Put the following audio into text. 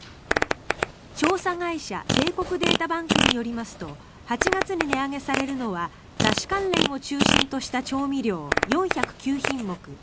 調査会社帝国データバンクによりますと８月に値上げされるのはだし関連を中心とした調味料４０９品目